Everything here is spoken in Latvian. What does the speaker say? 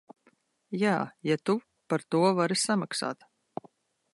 Jā, ja tu par to vari samaksāt.